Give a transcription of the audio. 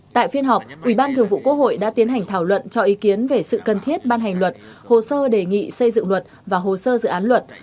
tại phiên họp ủy ban thường vụ quốc hội đã tiến hành thảo luận cho ý kiến về sự cần thiết ban hành luật hồ sơ đề nghị xây dựng luật và hồ sơ dự án luật